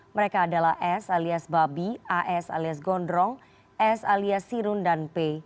mereka adalah s alias babi as alias gondrong s alias sirun dan p